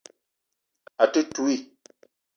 A te touii.